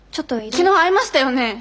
昨日会いましたよね？